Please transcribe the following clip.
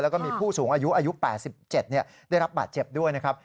แล้วก็มีผู้สูงอายุอายุ๘๗ได้รับบาดเจ็บด้วยนะครับ